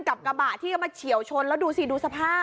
กับกระบะที่มาเฉียวชนแล้วดูสิดูสภาพ